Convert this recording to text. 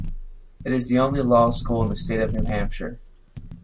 It is the only law school in the state of New Hampshire.